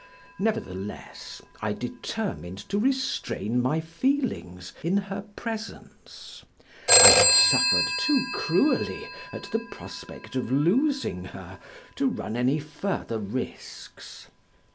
Nevertheless, I determined to restrain my feelings in her presence; I had suffered too cruelly at the prospect of losing her, to run any further risks.